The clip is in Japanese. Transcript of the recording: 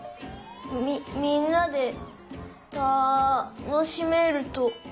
みみんなでたのしめるとおもうけど。